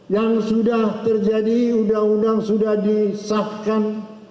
yang sudah terjadi undang undang sudah disahkan